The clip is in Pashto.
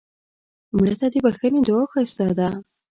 مړه ته د بښنې دعا ښایسته ده